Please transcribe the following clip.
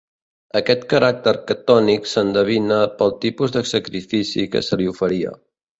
Aquest caràcter ctònic s'endevina pel tipus de sacrifici que se li oferia.